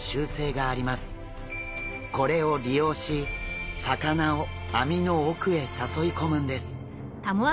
これを利用し魚を網の奥へ誘い込むんです。